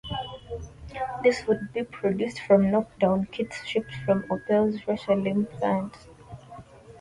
These would be produced from 'knock-down' kits shipped from Opel's Russelsheim plant.